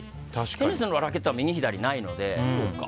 テニスのラケットは右、左ないので。